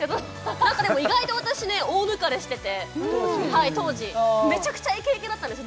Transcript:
何かでも意外と私大抜かれしててはい当時めちゃくちゃイケイケだったんです